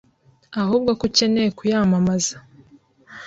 ahubwo ko ucyeneye kuyamamaza